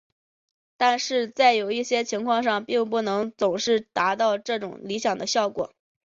但是在有些情况上并不能总是达到这种理想的效果。